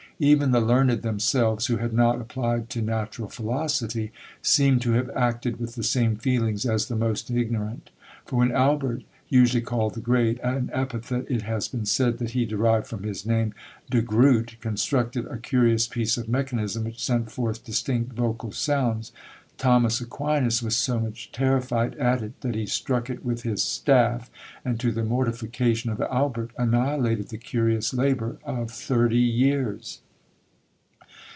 Even the learned themselves, who had not applied to natural philosophy, seem to have acted with the same feelings as the most ignorant; for when Albert, usually called the Great, an epithet it has been said that he derived from his name De Groot, constructed a curious piece of mechanism, which sent forth distinct vocal sounds, Thomas Aquinas was so much terrified at it, that he struck it with his staff, and, to the mortification of Albert, annihilated the curious labour of thirty years!